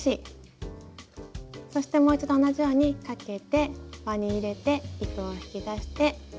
そしてもう一度同じようにかけて輪に入れて糸を引き出して。